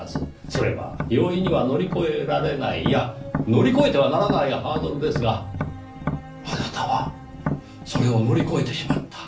それは容易には乗り越えられないいや乗り越えてはならないハードルですがあなたはそれを乗り越えてしまった。